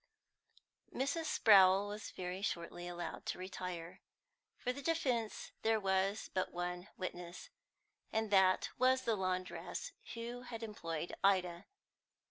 Mrs. Sprowl was very shortly allowed to retire. For the defence there was but one witness, and that was the laundress who had employed Ida.